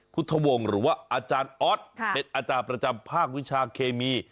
พุทธวงศ์หรือว่าอาจารย์ออสเป็นอาจารย์ประจำภาควิชาเคมี